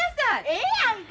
ええやんか。